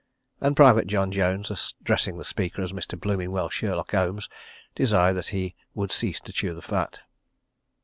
..." And Private John Jones, addressing the speaker as Mister Bloomin' Well Sherlock 'Olmes, desired that he would cease to chew the fat.